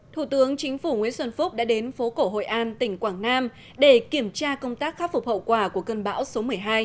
thủ tướng chính phủ nguyễn xuân phúc đã đến phố cổ hội an tỉnh quảng nam để kiểm tra công tác khắc phục hậu quả của cơn bão số một mươi hai